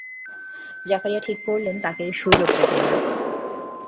জাকারিয়া ঠিক করলেন তাকে এই সুযোগ দেবেন না।